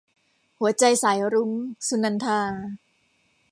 หัวใจสายรุ้ง - สุนันทา